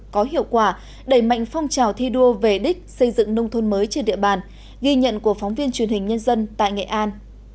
có hiệu quả đẩy mạnh phong trào thi đua về đích xây dựng nông thôn mới trên địa bàn ghi nhận của phóng viên truyền hình nhân dân tại nghệ an